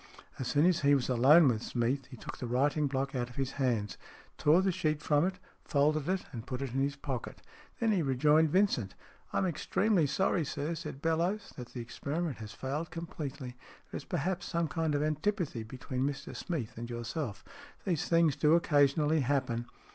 As soon as he was alone with Smeath, he took the writing block out of his hands j tore the sheet from it, folded it, and put it in his pocket. Then he rejoined Vincent. " I am extremely sorry, sir," said Bellowes, " that the experiment has failed completely. There is perhaps some kind of antipathy between Mr Smeath and yourself. These things do occasion ally happen.